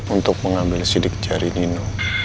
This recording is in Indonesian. untuk mengambil sidik jari nino